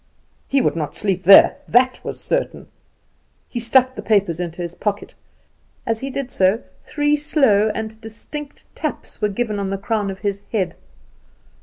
He would not sleep there, that was certain. He stuffed the papers into his pocket. As he did so, three slow and distinct taps were given on the crown of his head.